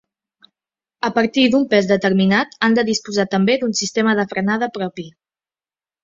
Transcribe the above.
A partir d’un pes determinat han de disposar també d’un sistema de frenada propi.